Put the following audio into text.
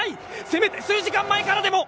せめて数時間前からでも！